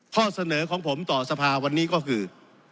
ข้อเสนอของผมต่อสภาวันนี้ก็คือ